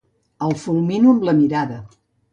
El fulmino amb la mirada.